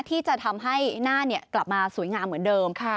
ที่จะทำให้หน้ากลับมาสวยงามเหมือนเดิม